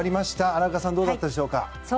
荒川さんどうだったでしょうか。